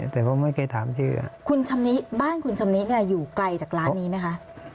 แต่ผมไม่เคยถามชื่อบ้านคุณชำนี้อยู่ไกลจากร้านนี้ไหมคะ